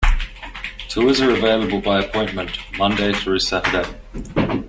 Tours are available by appointment, Monday through Saturday.